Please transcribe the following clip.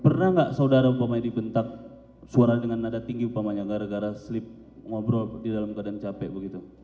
pernah nggak saudara umpamanya dibentak suara dengan nada tinggi umpamanya gara gara sleep ngobrol di dalam keadaan capek begitu